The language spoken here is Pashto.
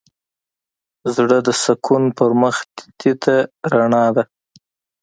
زړه د سکون په مخ تيت رڼا ده.